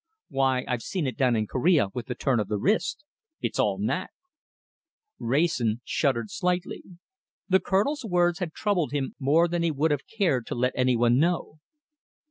Why, I've seen it done in Korea with a turn of the wrist. It's all knack." Wrayson shuddered slightly. The Colonel's words had troubled him more than he would have cared to let any one know.